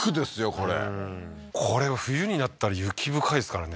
これうんこれは冬になったら雪深いですからね